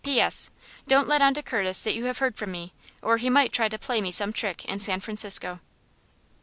"P. S. Don't let on to Curtis that you have heard from me, or he might try to play me some trick in San Francisco."